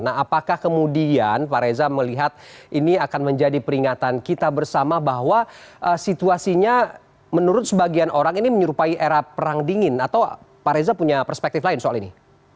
nah apakah kemudian pak reza melihat ini akan menjadi peringatan kita bersama bahwa situasinya menurut sebagian orang ini menyerupai era perang dingin atau pak reza punya perspektif lain soal ini